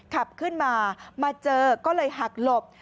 ขับขึ้นมามาเจอก็เลยหักหลบ